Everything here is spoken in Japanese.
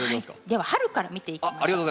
では春から見ていきましょう。